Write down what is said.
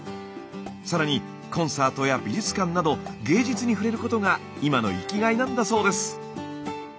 更にコンサートや美術館など芸術に触れることが今の生きがいなんだそうです。